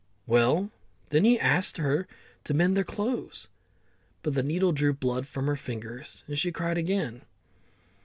Well, then he asked her to mend their clothes, but the needle drew blood from her fingers, and she cried again.